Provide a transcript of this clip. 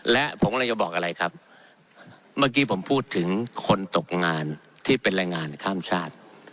และผมกำลังจะบอกอะไรครับเมื่อกี้ผมพูดถึงคนตกงานที่เป็นแรงงานข้ามชาติ